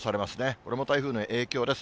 これも台風の影響です。